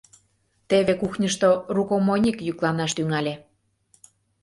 Теве кухньышто рукомойник йӱкланаш тӱҥале.